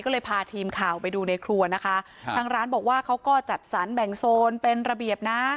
ก็เลยพาทีมข่าวไปดูในครัวนะคะครับทางร้านบอกว่าเขาก็จัดสรรแบ่งโซนเป็นระเบียบนะ